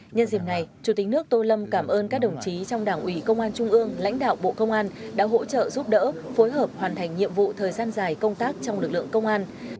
nhân dịp này chủ tịch nước tô lâm cảm ơn các đồng chí trong đảng ủy công an trung ương lãnh đạo bộ công an đã hỗ trợ giúp đỡ phối hợp hoàn thành nhiệm vụ thời gian dài công tác trong lực lượng công an